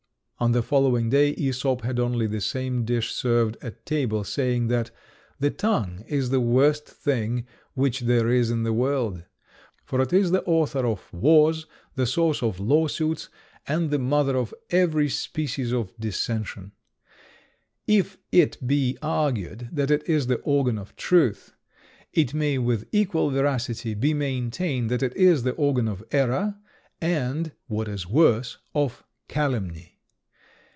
On the following day Æsop had only the same dish served at table, saying that "the tongue is the worst thing which there is in the world; for it is the author of wars, the source of law suits, and the mother of every species of dissension. If it be argued that it is the organ of truth, it may with equal veracity be maintained that it is the organ of error, and, what is worse, of calumny.